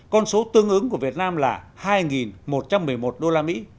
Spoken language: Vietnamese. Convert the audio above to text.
con số tương ứng của việt nam là hai một trăm một mươi một usd